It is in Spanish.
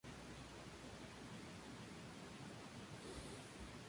Se encuentra en la zona de interior de Marruecos.